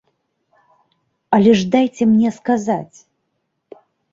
Але ж дайце мне сказаць.